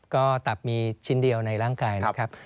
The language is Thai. ก็ตับมีชิ้นเดียวในร่างกายนะครับ